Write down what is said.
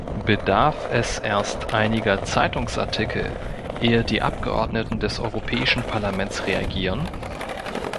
Bedarf es erst einiger Zeitungsartikel, ehe die Abgeordneten des Europäischen Parlaments reagieren?